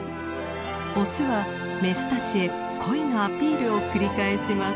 オスはメスたちへ恋のアピールを繰り返します。